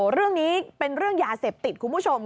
เรื่องนี้เป็นเรื่องยาเสพติดคุณผู้ชม